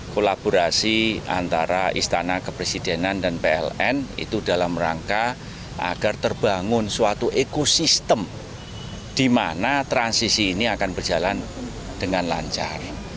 kolaborasi antara istana kepresidenan dan pln itu dalam rangka agar terbangun suatu ekosistem di mana transisi ini akan berjalan dengan lancar